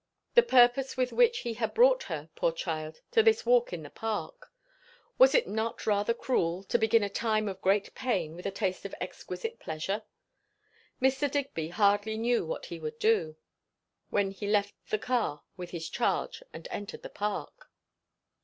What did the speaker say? the purpose with which he had brought her, poor child, to this walk in the Park. Was it not rather cruel, to begin a time of great pain with a taste of exquisite pleasure? Mr. Digby hardly knew what he would do, when he left the car with his charge and entered the Park.